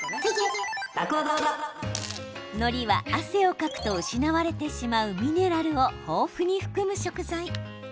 のりは、汗をかくと失われてしまうミネラルを豊富に含む食材。